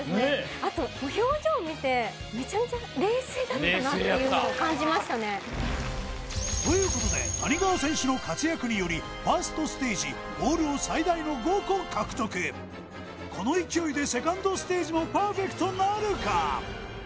あともう表情見てめちゃめちゃ冷静だったなっていうのを感じましたねということで谷川選手の活躍によりファーストステージボールを最大の５個獲得この勢いでセカンドステージもパーフェクトなるか？